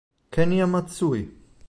Ken'ya Matsui